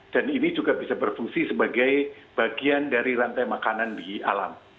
dan ini juga bisa berfungsi sebagai bagian dari rantai makanan di alam